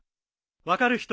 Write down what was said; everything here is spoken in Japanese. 分かる人？